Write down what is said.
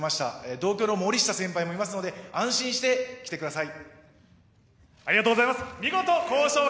同郷の森下先輩もいますので、安心して来てください。